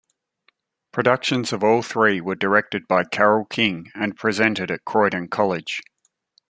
Productions of all three were directed by Carol King and presented at Croydon College.